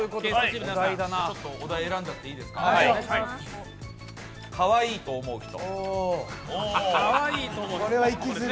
お題選んじゃっていいですかカワイイと思う人。